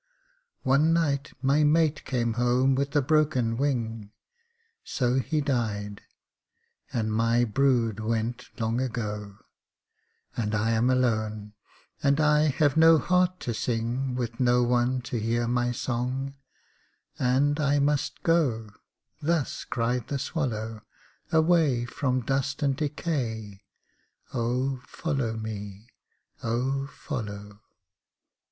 One night my mate came home with a broken wing, So he died; and my brood went long ago; And I am alone, and I have no heart to sing, With no one to hear my song, and I must go; Thus cried the swallow, Away from dust and decay, oh, follow me oh, follow.